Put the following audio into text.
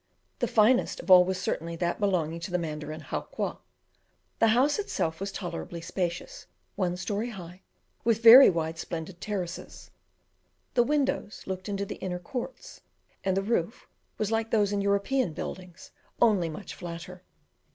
The finest of all was certainly that belonging to the Mandarin Howqua. The house itself was tolerably spacious, one story high, with very wide, splendid terraces. The windows looked into the inner courts, and the roof was like those in European buildings, only much flatter.